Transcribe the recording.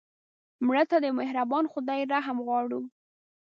مړه ته د مهربان خدای رحم غواړو